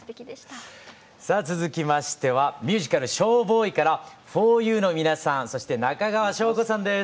さあ続きましてはミュージカル「ＳＨＯＷＢＯＹ」からふぉゆの皆さんそして中川翔子さんです。